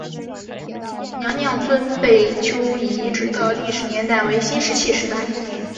娘娘村贝丘遗址的历史年代为新石器时代。